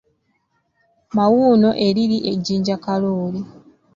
Mawuuno eriri e Jjinja Kalooli.